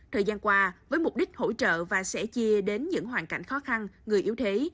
thời gian qua với mục đích hỗ trợ và sẻ chia đến những hoàn cảnh khó khăn người yếu thế